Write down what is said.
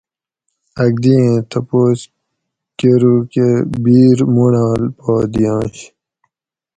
آک دیٔیں تپوس کۤروکہ بیر منڑاۤل پا دیاںش